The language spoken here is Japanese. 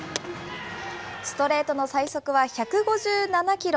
ストレートの最速は１５７キロ。